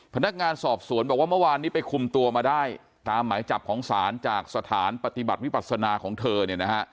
พนักงานสอบสวนบอกว่าเมื่อวานนี้ไปคุมตัวมาได้ตามหมายจับของศาลจากสถานปฏิบัติวิปัสนาของเธอเนี่ยนะฮะ